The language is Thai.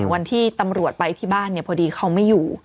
วันที่ตำรวจไปที่บ้านพอดีเขาไม่อยู่